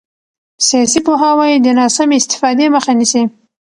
سیاسي پوهاوی د ناسمې استفادې مخه نیسي